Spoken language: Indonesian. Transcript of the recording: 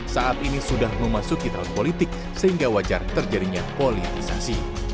saat ini sudah memasuki tahun politik sehingga wajar terjadinya politisasi